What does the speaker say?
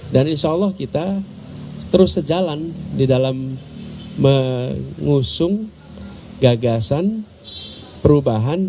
dan insya allah kita terus sejalan di dalam mengusung gagasan perubahan